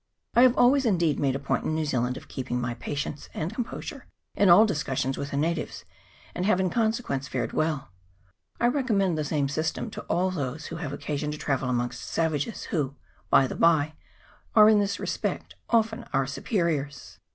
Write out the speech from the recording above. I have always indeed made a point in New Zealand of keeping my patience and composure in all discussions with the natives, and have in consequence fared well. I re commend the same system to all those who have 336 LAKE TAUPO. [PART II. occasion to travel amongst savages, who, by the bye, are in this respect often our superiors.